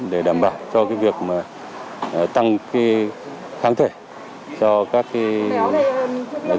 để đảm bảo cho cái việc mà tăng cái kháng thể cho các cái